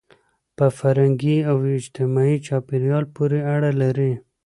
په فرهنګي او اجتماعي چاپېریال پورې اړه لري.